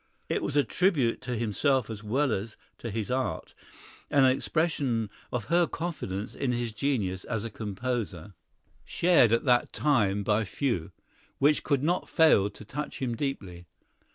It was a tribute to himself as well as to his art, and an expression of her confidence in his genius as a composer (shared at that time by but few) which could not fail to touch him deeply.